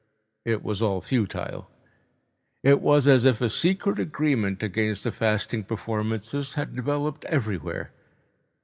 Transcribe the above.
It was all futile. It was as if a secret agreement against the fasting performances had developed everywhere.